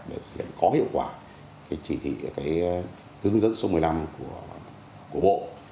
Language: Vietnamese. để thực hiện có hiệu quả chỉ thị hướng dẫn số một mươi năm của bộ